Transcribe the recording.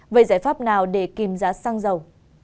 vậy giải pháp nào để kìm giá xăng dầu